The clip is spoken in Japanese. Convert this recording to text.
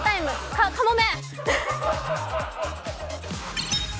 カカモメ。